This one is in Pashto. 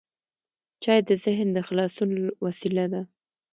چای د ذهن د خلاصون وسیله ده.